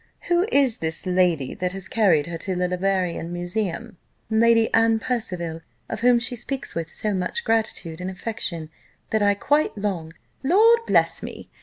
Who is this lady that has carried her to the Leverian Museum?" "Lady Anne Percival; of whom she speaks with so much gratitude and affection, that I quite long " "Lord bless me!"